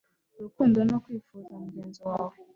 Urukundo no kwifuza mugenzi wawe